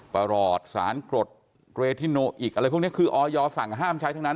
ประหลอดสารกรดเกรทิโนอิกอะไรพวกนี้คือออยสั่งห้ามใช้ทั้งนั้น